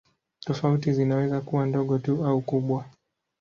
Tofauti zinaweza kuwa ndogo tu au kubwa.